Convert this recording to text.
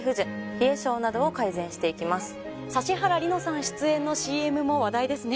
指原莉乃さん出演のＣＭも話題ですね。